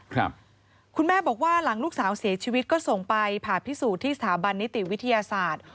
คุณแม่บอกว่าหลังลูกสาวเสียชีวิตก็ส่งไปผ่าพิสูจน์ที่สถาบันนิติวิทยาศาสตร์